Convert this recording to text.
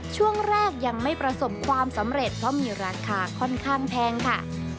ช่วงแรกยังไม่ประสบความสำเร็จเพราะมีราคาค่อนข้างแพงค่ะ